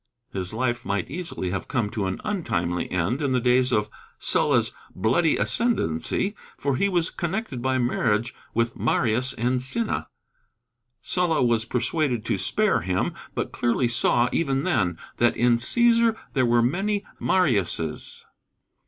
His life might easily have come to an untimely end in the days of Sulla's bloody ascendency, for he was connected by marriage with Marius and Cinna. Sulla was persuaded to spare him, but clearly saw, even then, that "in Cæsar there were many Mariuses."